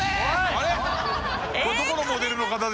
あれ？